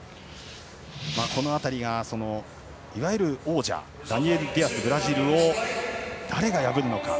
この辺り、いわゆる王者ダニエル・ディアス、ブラジルを誰が破るのか。